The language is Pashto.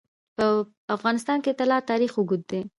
په افغانستان کې د طلا تاریخ اوږد دی.